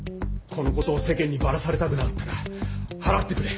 「この事を世間にバラされたくなかったら払ってくれ」